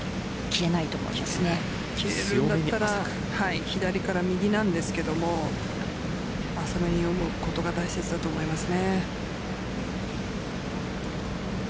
切れるんだったら左から右なんですが浅めに読むことが大切だと思います。